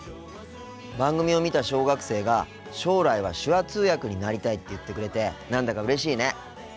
番組を見た小学生が将来は手話通訳になりたいって言ってくれて何だかうれしいね。